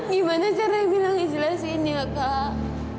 gimana cara mila ngejelasinnya kak